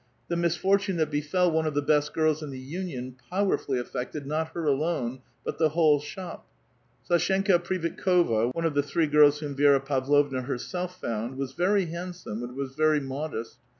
The misfortune that befell one of the best girls in the union powerfully affected not her alone, but the whole shop. Sdshenka Pribuitkova, one of the three girls whom Vi^ra Pavlovna herself found, was very handsome, and was very modest.